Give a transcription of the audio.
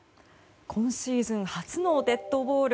今シーズン初のデッドボール。